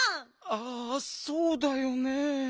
ああそうだよねえ。